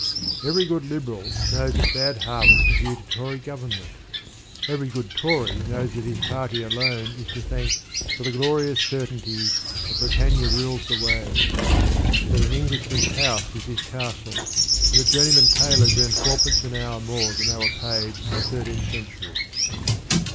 Every good Liberal knows that bad harvests are due to Tory government. Every good Tory knows that his Party alone is to thank for the glorious certainties that Britannia rules the waves, that an Englishman's house is his castle, and that journeymen tailors earn fourpence an hour more than they were paid in the thirteenth century.